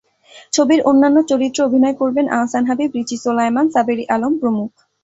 ছবির অন্যান্য চরিত্রে অভিনয় করবেন আহসান হাবিব, রিচি সোলায়মান, সাবেরী আলম প্রমুখ।